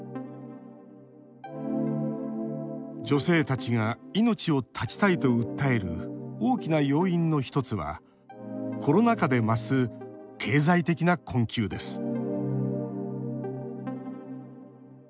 女性たちが命を絶ちたいと訴える大きな要因の１つはコロナ禍で増す経済的な困窮です